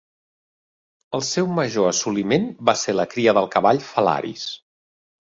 El seu major assoliment va ser la cria del cavall Phalaris.